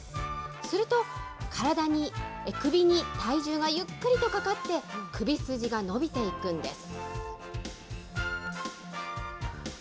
すると、体に、首に体重がゆっくりとかかって、首筋が伸びていくんです。